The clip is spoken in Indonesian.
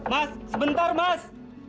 mas sebentar mas